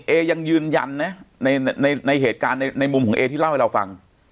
เอยังยืนยันนะในเหตุการณ์ในมุมของเอที่เล่าให้เราฟัง